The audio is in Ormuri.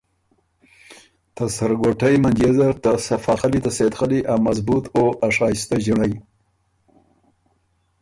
ته سرګوټئ منجيې زر ته صفاخلی ته سېد خلّي ا مضبُوط او ا شائستۀ ݫِنړئ،